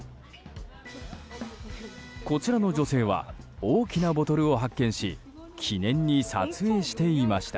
こちらの女性は大きなボトルを発見し記念に撮影していました。